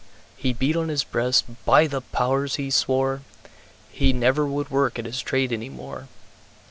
He beat on his breast, "By the Powers!" he swore, He never would work at his trade any more.